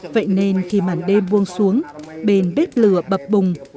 vậy nên khi màn đêm buông xuống bền bếp lửa bập bùng